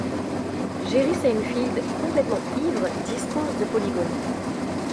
Jerry Seinfeld complètement ivre dispose de polygones.